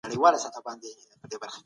کمپيوټر ويبپاڼه پورته کوي.